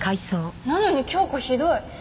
なのに京子ひどい。